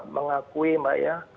mengakui mbak ya